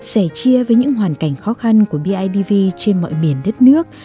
sẻ chia với những hoàn cảnh khó khăn của bidv trên mọi miền đất nước